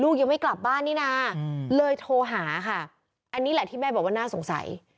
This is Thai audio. ยังไม่กลับบ้านนี่นะเลยโทรหาค่ะอันนี้แหละที่แม่บอกว่าน่าสงสัย